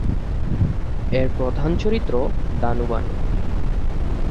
এর প্রধান চরিত্র দানুবানু।